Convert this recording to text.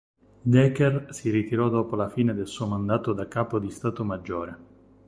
Decker si ritirò dopo la fine del suo mandato da Capo di stato maggiore.